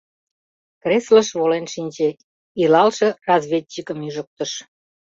Креслыш волен шинче, илалше разведчикым ӱжыктыш.